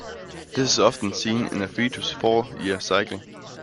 This is often seen in a three to four-year cycle.